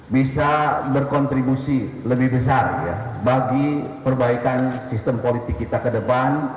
bisa berkontribusi lebih besar bagi perbaikan sistem politik kita ke depan